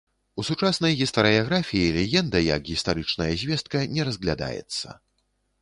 У сучаснай гістарыяграфіі легенда як гістарычная звестка не разглядаецца.